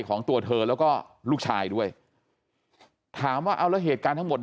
ของตัวเธอแล้วก็ลูกชายด้วยถามว่าเอาแล้วเหตุการณ์ทั้งหมด